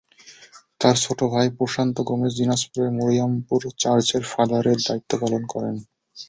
তাঁর ছোট ভাই প্রশান্ত গমেজ দিনাজপুরের মরিয়ামপুর চার্চের ফাদারের দায়িত্ব পালন করেন।